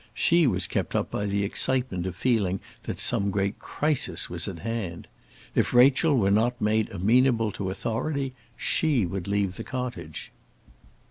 She was kept up by the excitement of feeling that some great crisis was at hand. If Rachel were not made amenable to authority she would leave the cottage.